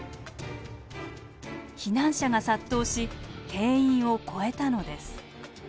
避難者が殺到し定員を超えたのです。